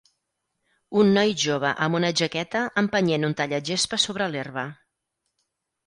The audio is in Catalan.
Un noi jove amb una jaqueta empenyent un tallagespa sobre l'herba.